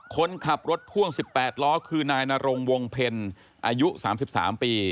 คนขับรถพ่วง๑๘ล้อคือนายนรงวงเพลอายุ๓๓ปี